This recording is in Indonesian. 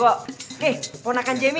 keh ponakan jemmy